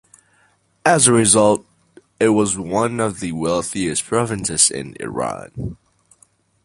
As a result, it was one of the wealthiest provinces in Iran.